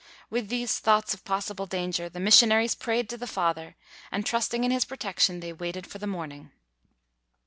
With these thoughts of possible danger, the missionaries prayed to the Father; and trusting in his protection, they waited for the morning.